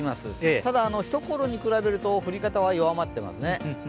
ただ一頃に比べると降り方は弱まってますね。